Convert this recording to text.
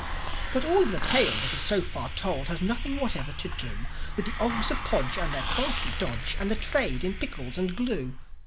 But all of the tale that is so far told Has nothing whatever to do With the Ogs of Podge, and their crafty dodge, And the trade in pickles and glue.